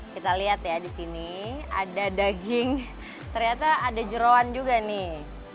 kita lihat ya di sini ada daging ternyata ada jerawan juga nih